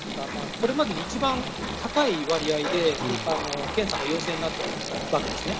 これまでで一番高い割合で検査が陽性になっているわけです。